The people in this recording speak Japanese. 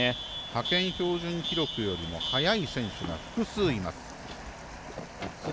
派遣標準記録よりも速い選手が複数います。